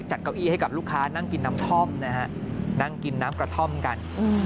เก้าอี้ให้กับลูกค้านั่งกินน้ำท่อมนะฮะนั่งกินน้ำกระท่อมกัน